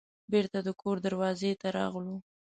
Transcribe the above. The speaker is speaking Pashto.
بیرته د کور دروازې ته راغلو.